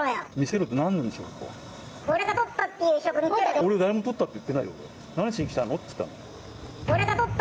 俺誰も盗ったって言ってないよ。